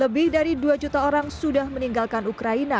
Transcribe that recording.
lebih dari dua juta orang sudah meninggalkan ukraina